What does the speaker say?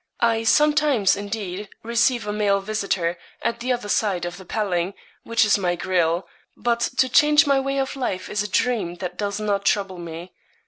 I sometimes, indeed, receive a male visitor, at the other side of the paling, which is my grille; but to change my way of life is a dream that does not trouble me.